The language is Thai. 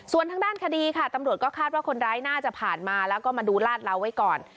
ส่วนทางด้านคดีค่ะตำรวจก็คาดว่าคนร้ายน่าจะผ่านมาแล้วก็มาดูลาดเราไว้ก่อน